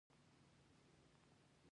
د چارمغز پوستکي تور رنګ ورکوي.